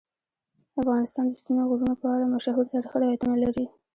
افغانستان د ستوني غرونه په اړه مشهور تاریخی روایتونه لري.